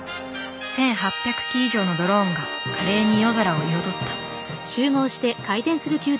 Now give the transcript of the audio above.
１，８００機以上のドローンが華麗に夜空を彩った。